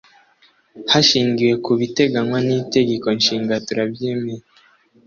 hashingiwe ku biteganywa n itegeko nshinga turabyemeye